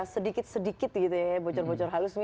sedikit sedikit gitu ya bocor bocor halus